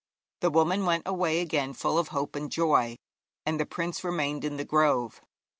The woman went away again full of hope and joy, and the prince remained in the grove.